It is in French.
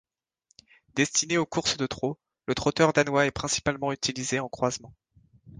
Destiné aux courses de trot, le trotteur danois est principalement utilisée en croisement.